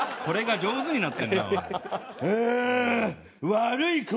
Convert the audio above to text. これが上手になってんなおい。